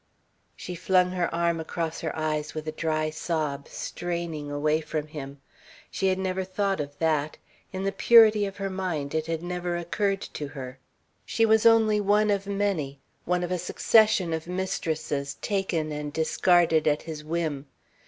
She flung her arm across her eyes with a dry sob, straining away from him. She had never thought of that. In the purity of her mind it had never occurred to her. She was only one of many, one of a succession of mistresses, taken and discarded at his whim.